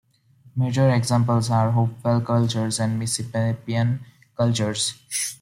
Major examples are the Hopewell cultures and Mississippian cultures.